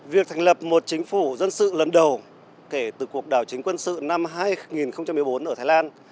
việc thành lập một chính phủ dân sự lần đầu kể từ cuộc đảo chính quân sự năm hai nghìn một mươi bốn ở thái lan